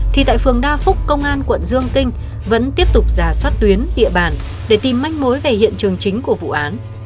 thì tại phường đa phúc công an quận dương kinh vẫn tiếp tục giả soát tuyến địa bàn để tìm manh mối về hiện trường chính của vụ án